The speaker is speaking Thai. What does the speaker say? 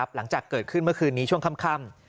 หลังจากเกิดขึ้นเมื่อคืนนี้ช่วงค่ำ